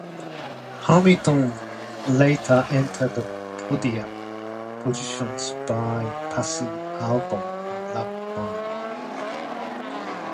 Hamilton later entered the podium positions by passing Albon on lap nine.